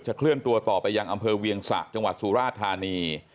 เคลื่อนตัวต่อไปยังอำเภอเวียงสะจังหวัดสุราธานี